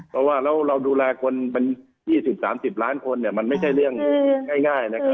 เพราะว่าแล้วเราดูแลคนเป็น๒๐๓๐ล้านคนมันไม่ใช่เรื่องง่ายนะครับ